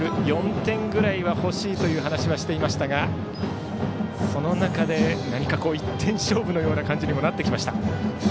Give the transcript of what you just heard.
４点ぐらいは欲しいという話をしていましたがその中で１点勝負のような感じにもなってきました。